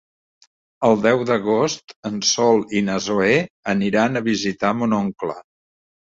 El deu d'agost en Sol i na Zoè aniran a visitar mon oncle.